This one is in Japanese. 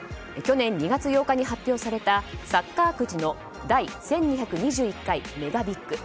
去年２月８日に発表されたサッカーくじの第１２２１回、ＭＥＧＡＢＩＧ。